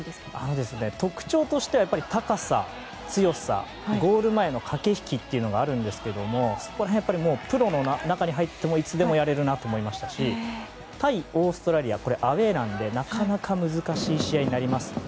特徴としては高さ、強さゴール前の駆け引きというのがあるんですけれどもそこら辺、プロの中に入ってもいつでもやれるなと思いましたし対オーストラリアアウェーなので、なかなか難しい試合になります。